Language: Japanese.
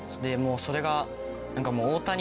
それが。